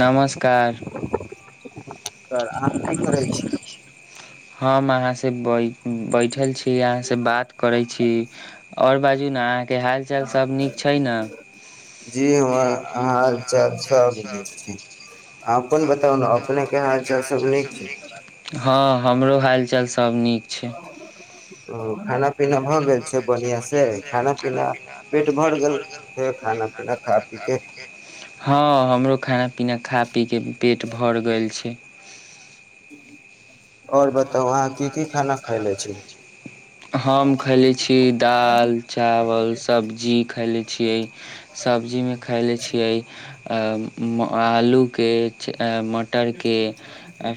नमस्कार। तर आह की करै छी। हँ महाँ से बइ। बैठल छी अहाँसँ बात करैत छी आओर बाजू ने अहाँके हाल चाल सभ नीक छै ने। जी हम ह हँ हमरो हाल चल सब नीक छै। खा पीना भ बी हँ हमरो खाना पीना खा पी पेट भर गेल छै। ह। हम खयले छी दालि चावल सब्जी खैले छियै सब्जीमे खयले छियै आलू के मटर के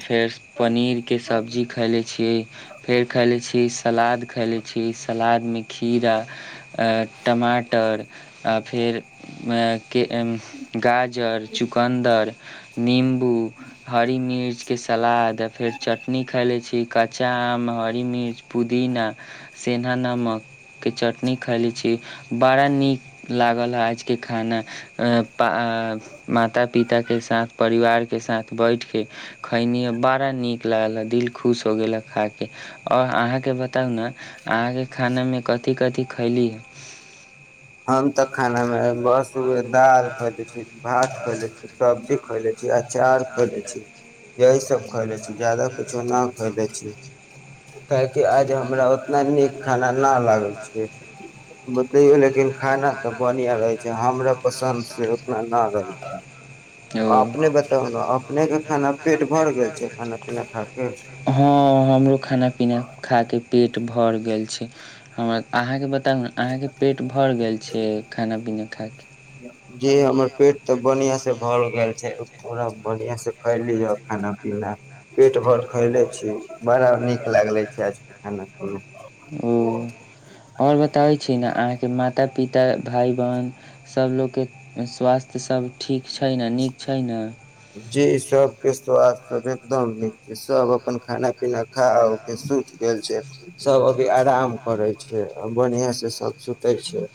फेर पनीर के सब्जी खायले छियै फेर खायले छियै फ सलाद खैले छी सलादमे खीरा टमाटर आ फेर के गाजर चुकन्दर नीम ह मिच स फेर च कच्चा आम हरी मिर्च पुदीना सिंधा नमक के चटनी खैले छि बारा निक लागल आज के खाना आ माता पिता के साथ परिवार के साथ बैठ के खैनी ये बारा निक लागल। दिल खुश हो गेल हा खााके आओर अहाँके बताउ ने अहाँके खानामे कथी कथिी खैली हम तऽ खाना मे बस उ दाल खोए ले छी भात खए ले छी सब्जी खै छी आ विचार करै छी यही सब खैले छी जादाा कुछो नहि खैले छी काहेकि आज हमरा। इना नीक खाना न लागै छै। तइयो लेकिन। हँ हमरो खाना पीना खा के पेट भर गेल छै हम अहाँके ब तब ने अहाँ के पेट भर गेल। छै खाना पीना खा के। य। जी हमर पेट तऽ बढ़िया से भर गेल छै। पूरा बढ़िआँसँ खैली हऽ खाना पीना पेट भर खैले छी बड़ा नीक लागले छै आजके खाना। ओ आओर बताबै छी ने अहाँके माता - पिता। भाइ - बहिन सब लोकके स्वास्थ्य सब ठीक। छै न नीक छै न? जी सबके स्वास्थ्य एकदम। छै सभ अपन खाना पीना खाके सुति गेल छै सभ अभी आराम करै छै बढ़िआँसँ सभ सुतै छै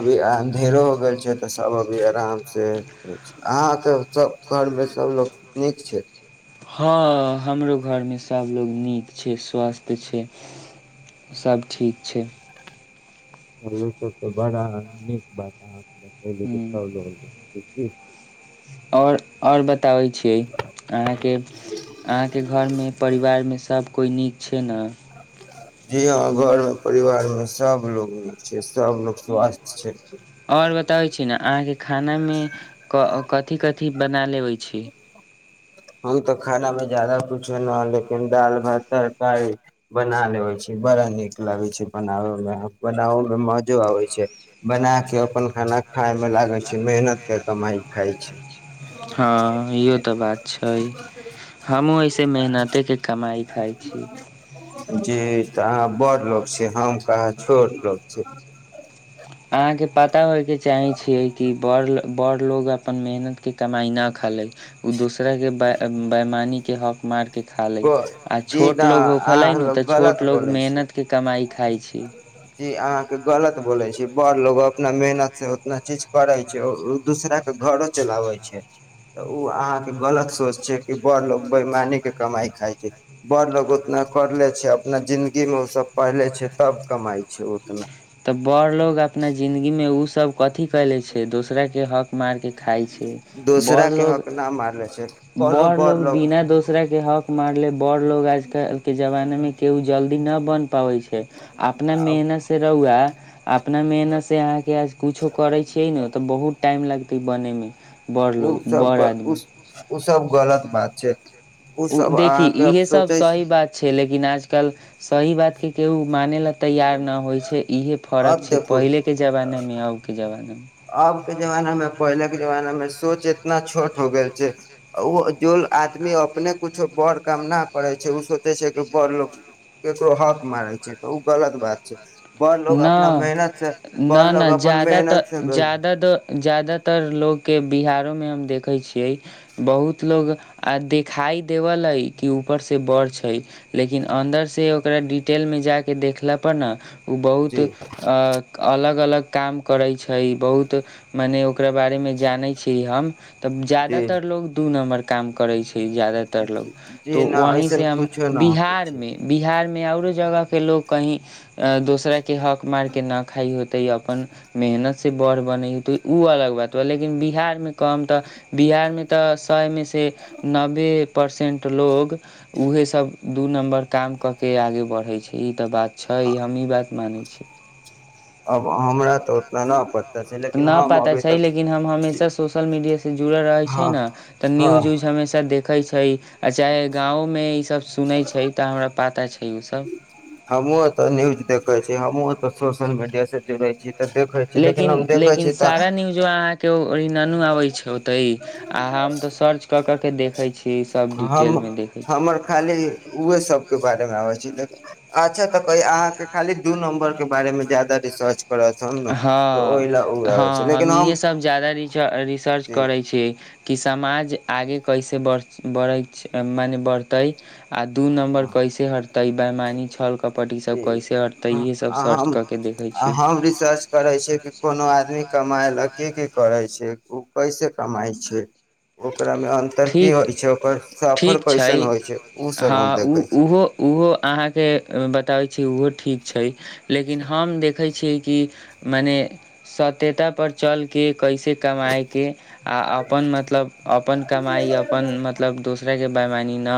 अभी अँधेरो हो गेल छै तऽ सभ अभी आरामसँ छै अहाँ त सभ। घरमे सब लोक नीक छै। हँ हमरो घरमे सभलोग नीक छै स्वस्थ छै सभ ठीक छै। सबसँ बड़ा नीक बात अहाँ। ब सब ल। जी। आओर आओर बता। बताबै छियै अहाँके अहाँके घरमे परिवारमे सभ कोइ नीक छै ने। जी हँ घर मे परिवार मे सबलोग म छै सबलोग स्वासस्थ छै। आओर बताबै छी ने अहाँके। खानामे कथि - कथि बना लेबै छी। हम तऽ खाना मे जादा कुछो ने लेकिन दालि भात तरकारी बना लेबे छी बड़ा नीक लगे छै बनाबे मे बना। मे मजा आबै छै। बना के अपन खाना खाय में ला। हँ इहो तऽ बात छै हमहूँ एहिऐसे मेहनतेके कमाई खाइ छी। जी तऽ अहां। बड़ लोक छी हम कह छोट लोक छी। अहाँ के पता होय के चाहे छियै कि। बड़ लोग अपन मेहनत के कमाई न खाले उ दोस। तरहके बेइमानी। के हॉक मार के। खा लै, आ छोट लो होखलै ने तऽ छोट लो मेहनते कमाइ खाइ छी। बड़ लोग अपना मेहनत से ओतना चीज करै छै। ओ दूसराके घरो चलाबै छै। तऽ उ अहाँके गलत सोच छै कि बड़ लोग बेैमानीक क कमाय खाय छै बड़ लोग उतना करले छै अपना जिन्दगी मे ओ सब पढ़ले छै तब कमााय छै उतना। तऽ बड़ लोकोग अपने जिंन्दगी मे उस। सब कथी। क लै छै दोसराके हक मारके खाइ छै बड़ लोको बड़ लोकोग बिना दोसराके हक मारले बड़ लोग आजकलके जमानामे केओ जल्दी नहि बन। पाबै छै अपने मेहनत से रउआ, अपना मेनत से अहाके आज कुछों करेत छिये न त बहुत त टाइम लगतै बनैमे। उ सब बड़, उ सब गलत बात छै। उ देखी इएहसभ सही बात छै, ले लेकिन आजकल सही बातके केहु मानै लए तैयार नहि होइ छै, इएहे फर्क छै पहिलेके जमानामे अबके जमानामे। अब के जमाना मे, पहिले के जमाना मे सोच इतना छोट हो गेल छै ओ जो आदमी अपने कुछो बड़ काम न करै छै, उ सोचे छै कि बड़ लोक के तो हक मारे छै त ओ गलत बात छै। बड़ लोग अपना मेहनत से, बड़ लोग अपन मेहनत जादा त जादातर लोग के बिहारोमे हम देखै छी। बहुत लोग आ देखाइ देवल अइ कि ऊपरसँ बड़ छै, लेकिन अन्दरसँ ओकरा डिटेलमे जा कऽ देखला परड़ न ओ बहुत अलग अलग काम करैत छै बहुत मने, ओकरा बारेमे जानैत छी हम। तब जादातर लोग दू नम्बर काम करै छै, जादातर लोग तो वहीँसँ हम बिहारमे-बिहारमे आओरो जगह के लोग कही दोसरा के हक मार के न खाइ होते अपन मेहनत से बढ़ बनै तऽ उ अलग बात ब लेकिन बिहारमे कम तऽ बिहारमे तऽ सएमे सँ नबे परसेंट लोग, उहे सब दू नम्बर काम क के आगे बढ़े छै। ई तऽ बात छै य मै छी त ओतना नत तऽ नहि पता छै लेकिन हम हमेशा सोशल मीडियाास से जुड़ल रहैत छै ने तऽ न्यूज उूज हमेशा देख देखखै छै। अचाए गाँव मे ई सब सुनैत छै तऽ हमरा पाता छै उ सब हमो तऽ न्यूज देखै छी हमू त सोशल मीडियाास से जुड़ै छी। लेकिन लेकिन सारा न्यूजो अहाँके ओ ननु आबे छै ते आ हम तो सर्च कर कर के देखे छी। हम हमर खाली उह सबके बारेमे आै छै अच्छा हँ हँ हम इहे सभ ज रिसर्च करै छी। कि समाज आगे कैसे बढ़ बढ़ै छै मने बढ़तै आ दू नम्बर कैसे हरतेै बैमानी। छाल क पारटिशन जी हम हम रिसर्च करै छियै कि कोनो आदमी कमाइ लए की की करै छै। ओ कैसे कमाइ छै ओकरा अन्तर की होइ छै ओकर सफर कैसन होइ छै ओ सब हम देखै छी। बताबै छी ओहो ठीक छै। लेकिन हम देख देखै छियै कि मने सत्यता पर चलके कैसे कमाइके आ अपन मतलब अपन अपन मतलब दोसर बाय मान न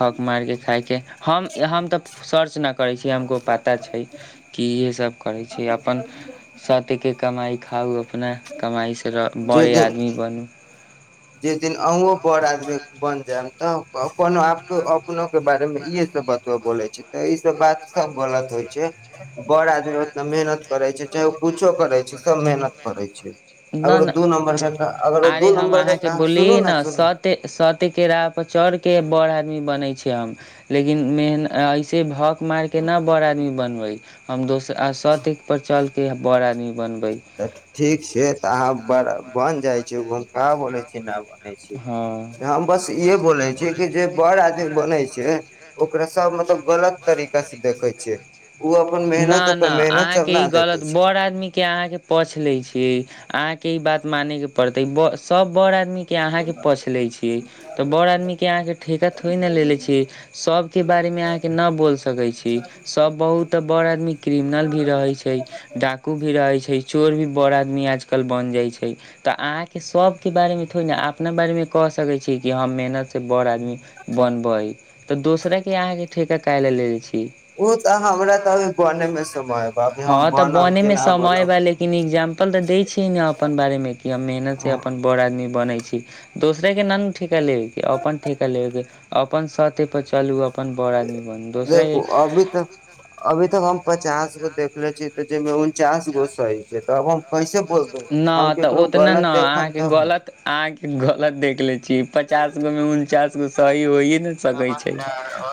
हक मारकेे खाायके हम हम तऽ सर्च न करै छीिय हमको पाता छै। की इहे सभ करै छै। छी अपन साथीके कमाइ खाउ अपना कमाइ छै। तेर बड़े आदमी बनू। जेहि दिन अहुँओ बड़ आदमी बनि जायब त अपन आपके कुनौ के बारे मे इहे सब बात बोले छै ते ई सब बात सब गलत होय छै, बड़ आदमी ओतना मेहनत करे छै, चाहे उ कुछो करै छै, सब मेहनत करै छै, अगर दू नंबर के अगर ओ दू नंबर के बोली न साते स तेकरा चड़ के बड़ आदमी बन छै। के हम लेकिन मेह न ऐसे भक मार के ना बड़ आदमी बनबै। हम दोस आ सात एक पर चल। के बड़ आदमी तऽ ठीक छै, तऽ अहाँ बड़ बन जाय छिये, उ हम का बोलै छिये ना बन हाँ, ना ना अहाँ के ई गलत बड़ आदमी के अहाँ के पछ लै छी, अहाँ के ई बात मानै के पड़तै, ब सब बड़ आदमी के अहाँ के पछ ले छियै तऽ बड़ आदमी के अहाँ के ठेका थोड़ी न लेलेे छी, सब के बारे मे अहाँ के ना बोल सकै छी सब बहुतऽ बड़ आदमी क्रिमिनल भी रहै छै, डाकू भी रहै छै, चोर भी बड़ आदमी आर कल बन जाय छै, तऽ अहाँ के सबके बारे मे थोड़ी ने अपना बारे मे कह सकै छी कि हम मेहनत से बड़ आदमी बनबै, तऽ दोसरा के अहाँ के ठेका काहे ले लेल छी। हाँ तऽ बने मे समय बा, लेकिन इग्जाम्पल तऽ दै छी ने अपन बारे मे की हम मेहनत से अपन बड़ आदमी बनै छी, दोसरे के ना नू ठिका लेबे के, अपन ठेका लेबे, अपन साथे पर चलु, अपन बड़ आदमी देखू अभी तक अभी तक हम पचासगो देखलै छी। ते जै मे उनचास गो सही छै, तब हम कैसे ना तऽ ओतना ना अहाँ के गलत, अहाँ के गलत देखलै छी, पचासगो मे उनचासगो सही होइये नै सकै छै,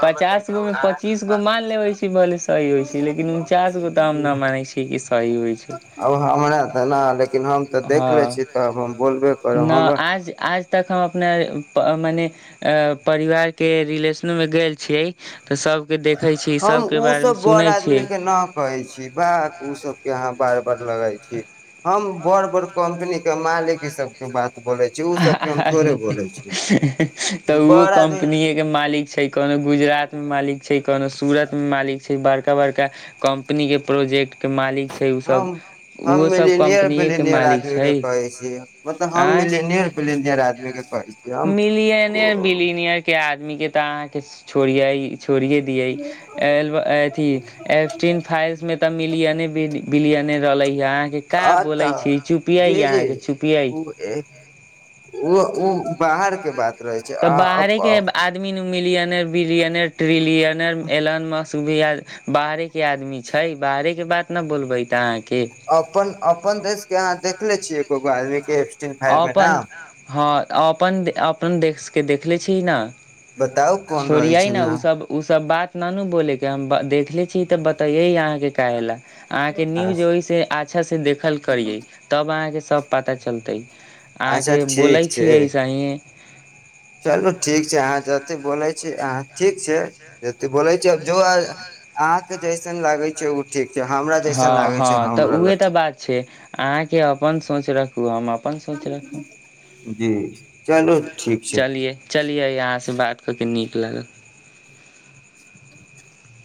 पचासगो मे पचीसगो मान लेबै छै भले सही होय छै, लेकिन उनचासगो तऽ हम ना मानै छी कि सही होय छै। हाँ लेकिन हम ते देखलै छीये, तब हम बोलबे करब हमर नै प अ मने अ परिवार के रिलेशनो मे गेल छियै, ते सब हम उ सब बड़ आदमी के ना कहै छी, भक्क उ सबके अहाँ बारे बड़ लगै छी, हम बड़-बड़ कम्पनी के मालिक ई सबके बात अरे तऽ उहो कम्पनीये के मालिक छै, कोनो गुजरात मे मालिक छै। कोनो सूरत मे मालिक छै बड़ का बड़का कंपनी के प्रोजेक्ट हम, हम मिलिनियर, बिलिनियर आदमी के कहै छीयै, मतलब हम मिलि [unintelligible] आदमी के कहै छी, हम उ तऽ अहाँ के छोड़ियै। छोड़िये दियै, एल व अथी एफटीन फाइल्स मे तऽ मिलियने बिल बिलयने रहलै। ई अहाँ के का बोले छी, चुपियै अहाँ के चुपियै। उ उ बाहर के बात तऽ बाहरे के आदमी नु मिलियनर, बिलियनर, ट्रिलियनर, एलन, मसूबी आर बाहरे के आदमी छै, बाहरे के बात ना बोलबै त अहाँ अपन, अपन देश के अहाँ देखलै छियै एकोगो आदमी के अपन हाँ अपन दे अपन देश के देखलै छी ना। छोड़ियै ने उ सब उ सब बात। इतना नु बोलै के हम बा देखलै छी ते बताइये यहाँ के कहेला, अहाँ के न्यूज ओय से आच्छा से देखल करियै, तब अहाँ के स तब पता चलतै। अहाँ के बोलै छिये ई सही चलू ठीक छै, अहाँ ज ते बोलै छी अहाँ ठीक छै, एते बोले छी जो अ अहाँ के जैसन लागे छै उ हाँ हाँ तऽ उहे ते बात छै। अहाँ के अपन सोच रखु, हम अ पन सोच रखु, चलिये, चलिये अहाँ से बात क के नीक [unintelligible]